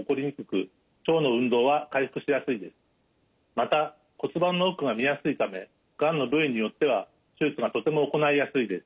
また骨盤の奥が見やすいためがんの部位によっては手術がとても行いやすいです。